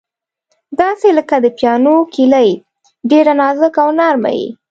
داسې لکه د پیانو کیلۍ، ډېره نازکه او نرمه یې.